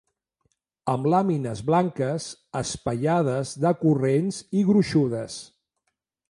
Amb làmines blanques, espaiades, decurrents i gruixudes.